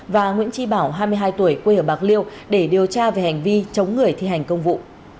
và nguyễn tri bảo hai mươi hai tuổi quê ở bạc liêu để điều tra về hành vi chống người thi hành công vụ